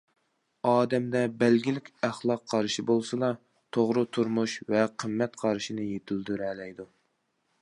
ئادەمدە بەلگىلىك ئەخلاق قارىشى بولسىلا، توغرا تۇرمۇش ۋە قىممەت قارىشىنى يېتىلدۈرەلەيدۇ.